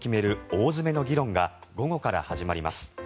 大詰めの議論が午後から始まります。